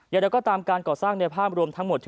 แล้วเราก็ตามการก่อสร้างในภาพรวมทั้งหมดถือว่า